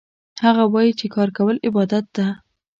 هغه وایي چې کار کول عبادت ده